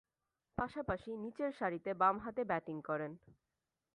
পাশাপাশি নিচের সারিতে বামহাতে ব্যাটিং করেন।